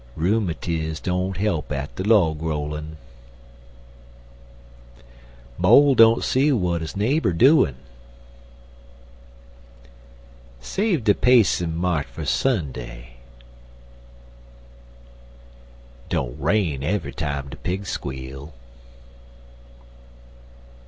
Rheumatiz don't he'p at de log rollin'. Mole don't see w'at his naber doin'. Save de pacin' mar' fer Sunday. Don't rain eve'y time de pig squeal.